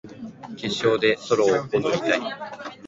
決勝でソロを踊りたい